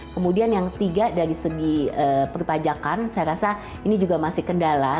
kemudian yang tiga dari segi perpajakan saya rasa ini juga masih kendala